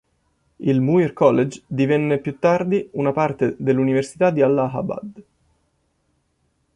Il Muir College divenne più tardi una parte dell'Università di Allahabad.